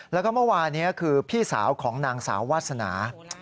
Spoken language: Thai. แล้วก็เมื่อวานี้คือพี่สาวของนางสาววาสนา